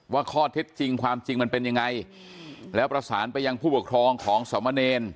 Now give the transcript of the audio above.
ว่าข้อเท็จจริงความจริงมันเป็นยังไงแล้วประสานไปยังผู้ปกครองของสมเนร